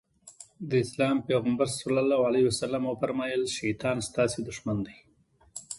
د اسلام پيغمبر ص وفرمايل شيطان ستاسې دښمن دی.